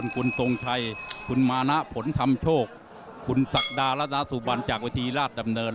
คุณสักดาลัตนาสุบันจากวิธีราชดำเนิน